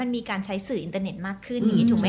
มันมีการใช้สื่ออินเทอร์เน็ตมากขึ้น